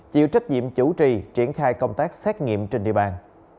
chịu trách nhiệm chủ trì triển khai công tác xét nghiệm trên địa bàn